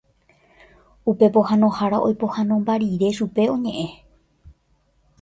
Upe pohãnohára oipohãnomba rire chupe oñe'ẽ.